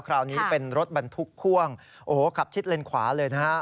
คราวนี้เป็นรถบรรทุกพ่วงโอ้โหขับชิดเลนขวาเลยนะฮะ